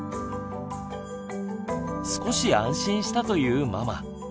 少し安心したというママ。